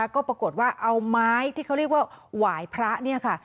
ก็ปรากฏว่าเอาไม้ที่เขาเรียกว่าหวายพระเนี่ยค่ะ